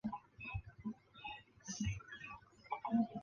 大奴湖。